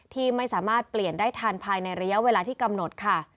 ที่ไม่สามารถเปลี่ยนได้ทันภายในระยะเวลาที่กำหนดค่ะ